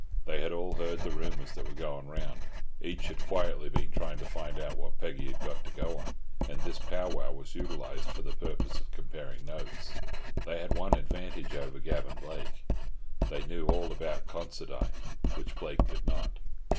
They had all heard the rumours that were going round; each had quietly been trying to find out what Peggy had to go on, and this pow wow was utilised for the purpose of comparing notes. They had one advantage over Gavan Blake—they knew all about Considine, which Blake did not.